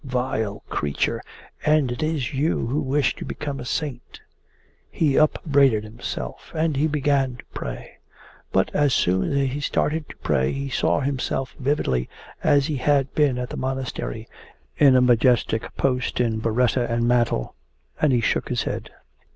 'Vile creature! And it is you who wish to become a saint!' he upbraided himself, and he began to pray. But as soon as he started to pray he saw himself vividly as he had been at the Monastery, in a majestic post in biretta and mantle, and he shook his head.